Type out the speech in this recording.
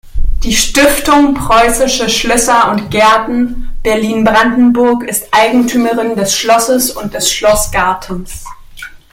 Die Stiftung Preußische Schlösser und Gärten Berlin-Brandenburg ist Eigentümerin des Schlosses und des Schlossgartens.